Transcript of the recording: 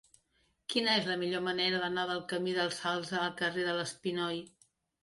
Quina és la millor manera d'anar del camí del Salze al carrer de l'Espinoi?